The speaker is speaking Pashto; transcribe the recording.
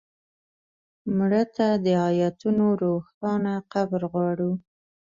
مړه ته د آیتونو روښانه قبر غواړو